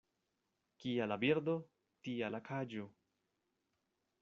Kia la birdo, tia la kaĝo.